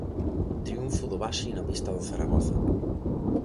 Triunfo do Baxi na pista do Zaragoza.